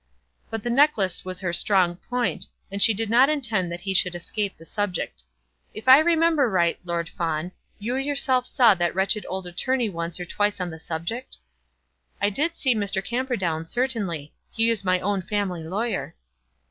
But the necklace was her strong point, and she did not intend that he should escape the subject. "If I remember right, Lord Fawn, you yourself saw that wretched old attorney once or twice on the subject?" "I did see Mr. Camperdown, certainly. He is my own family lawyer."